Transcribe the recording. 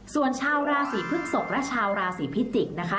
ส่วนชาวราศีพฤกษกและชาวราศีพิจิกษ์นะคะ